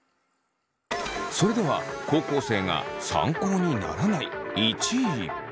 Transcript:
それでは高校生が参考にならない１位。